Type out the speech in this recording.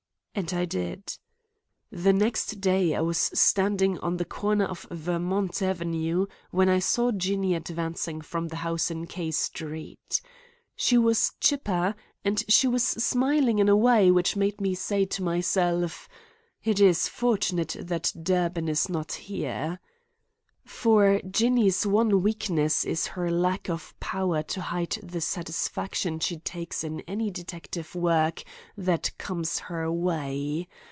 And I did. The next day I was standing on the corner of Vermont Avenue when I saw Jinny advancing from the house in K Street. She was chipper, and she was smiling in a way which made me say to myself: "It is fortunate that Durbin is not here." For Jinny's one weakness is her lack of power to hide the satisfaction she takes in any detective work that comes her way.